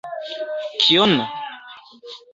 Kion!